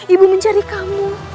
ibu mencari kamu